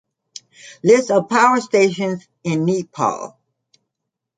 List of power stations in Nepal